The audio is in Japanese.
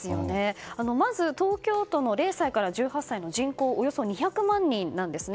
まず、東京都の０歳から１８歳の人口はおよそ２００万人なんですね。